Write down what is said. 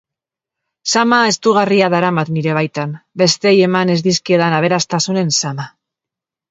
Zama estugarria daramat nire baitan: besteei eman ez dizkiedan aberastasunen zama.